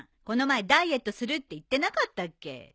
この前ダイエットするって言ってなかったっけ？